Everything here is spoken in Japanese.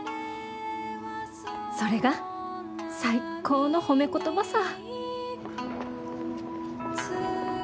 それが最高の褒め言葉さ。